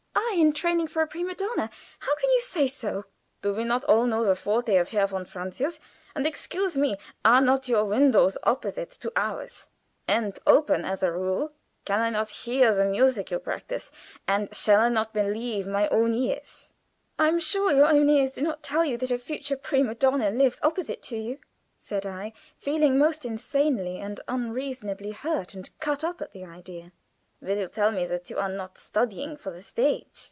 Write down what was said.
"I in training for a prima donna! How can you say so?" "Do we not all know the forte of Herr von Francius? And excuse me are not your windows opposite to ours, and open as a rule? Can I not hear the music you practice, and shall I not believe my own ears?" "I am sure your own ears do not tell you that a future prima donna lives opposite to you," said I, feeling most insanely and unreasonably hurt and cut up at the idea. "Will you tell me that you are not studying for the stage?"